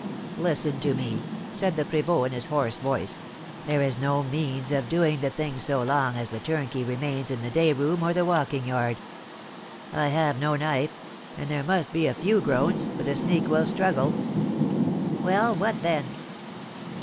"Listen to me!" said the prévôt, in his hoarse voice. "There is no means of doing the thing so long as the turnkey remains in the day room or the walking yard. I have no knife, and there must be a few groans, for the sneak will struggle." "Well, what then?"